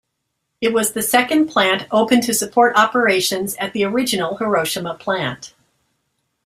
It was the second plant opened to support operations at the original Hiroshima Plant.